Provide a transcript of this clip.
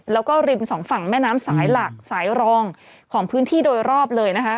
แล้วก็ริมสองฝั่งแม่น้ำสายหลักสายรองของพื้นที่โดยรอบเลยนะคะ